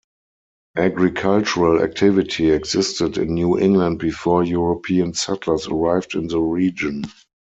Agricultural activity existed in New England before European settlers arrived in the region.